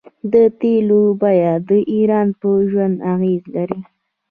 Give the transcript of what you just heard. د تیلو بیه د ایران په ژوند اغیز لري.